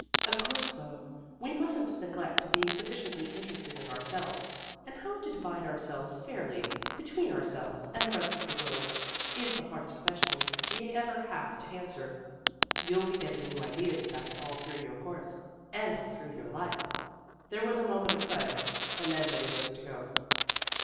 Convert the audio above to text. Of course, though, we mustn't neglect to be sufficiently interested in ourselves; and how to divide ourselves fairly between ourselves and the rest of the world is the hardest question we ever have to answer. You'll be getting new ideas about it all through your course and all through your life." There was a moment of silence, and then Betty rose to go.